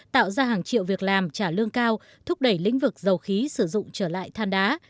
tạo ra hàng triệu việc làm trả lương cao thúc đẩy lĩnh vực dầu khí sử dụng trở lại than đá